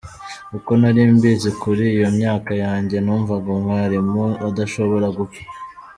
Uko nari mbizi kuri iyo myaka yanjye, numvaga umwarimu adashobora gupfa.